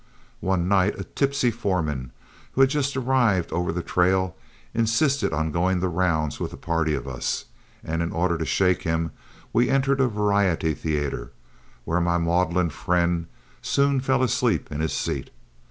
One night a tipsy foreman, who had just arrived over the trail, insisted on going the rounds with a party of us, and in order to shake him we entered a variety theatre, where my maudlin friend soon fell asleep in his seat.